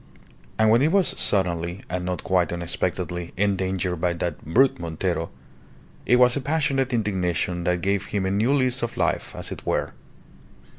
And when it was suddenly and not quite unexpectedly endangered by that "brute Montero," it was a passionate indignation that gave him a new lease of life, as it were.